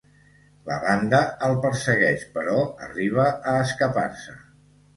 La banda el persegueix, però arriba a escapar-se.